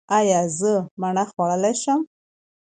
ایا زه مڼه خوړلی شم؟